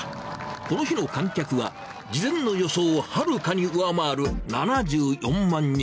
この日の観客は、事前の予想をはるかに上回る７４万人。